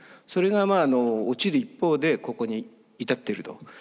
それが落ちる一方でここに至っていると。